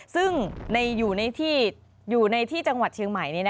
ซึ่งอยู่ในที่จังหวัดเชียงใหม่